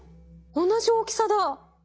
同じ大きさだ。